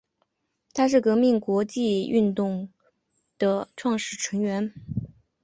它是革命国际主义运动的创始成员。